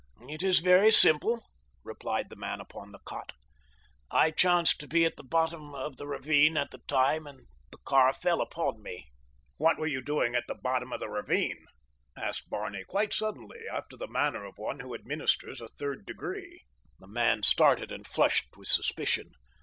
"It is very simple," replied the man upon the cot. "I chanced to be at the bottom of the ravine at the time and the car fell upon me." "What were you doing at the bottom of the ravine?" asked Barney quite suddenly, after the manner of one who administers a third degree. The man started and flushed with suspicion.